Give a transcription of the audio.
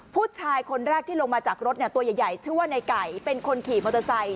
ผู้ชายคนแรกที่ลงมาจากรถตัวใหญ่ชื่อว่าในไก่เป็นคนขี่มอเตอร์ไซค